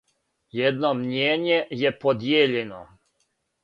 Јавно мнијење је подијељено.